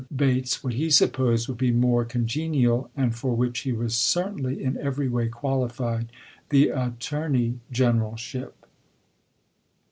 Bates what he supposed would be more congenial, peSonai and f or which he was certainly in every way quali £mm fied— the Attorney Generalship.